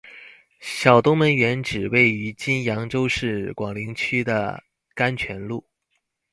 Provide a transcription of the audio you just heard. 小东门原址位于今扬州市广陵区的甘泉路。